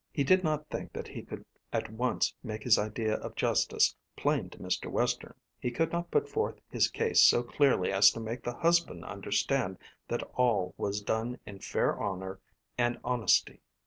He did not think that he could at once make his idea of justice plain to Mr. Western. He could not put forth his case so clearly as to make the husband understand that all was done in fair honour and honesty.